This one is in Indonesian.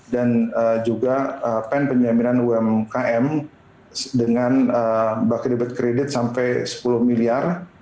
dan juga penyembingan umkm dengan bakit debit kredit sampai sepuluh miliar